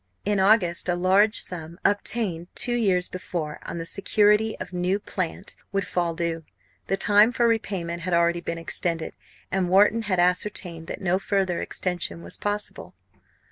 In August a large sum, obtained two years before on the security of new "plant," would fall due. The time for repayment had already been extended; and Wharton had ascertained that no further extension was possible.